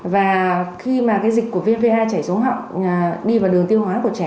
và khi mà cái dịch của viêm va chảy dống họng đi vào đường tiêu hóa của trẻ